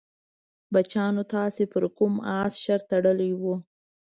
بچیانو تاسې پر کوم اس شرط تړلی وو؟